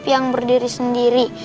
yang berdiri sendiri